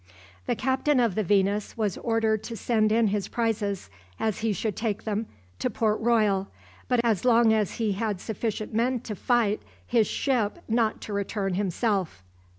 The captain of the "Venus" was ordered to send in his prizes, as he should take them, to Port Royal, but as long as he had sufficient men to fight his ship not to return himself.